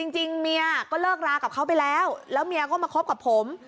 จริงเมียก็เลิกรากับเขาไปแล้วแล้วเมียก็มาคบกับผม